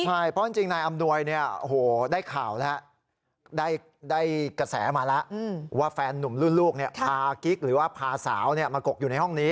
ใช่เพราะจริงนายอำนวยได้ข่าวแล้วได้กระแสมาแล้วว่าแฟนนุ่มรุ่นลูกพากิ๊กหรือว่าพาสาวมากกอยู่ในห้องนี้